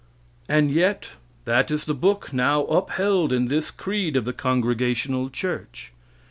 And yet that is the book now upheld in this creed of the Congregational Church.